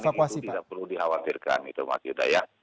gepa bukaan itu tidak perlu dikhawatirkan pak gede ya